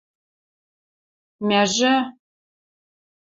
Мӓжӹ?..